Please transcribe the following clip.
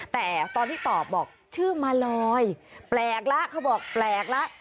แต่ตอนที่ตอบบอกชื่อมาลอยแปลกแล้วเขาบอกแปลกแล้ว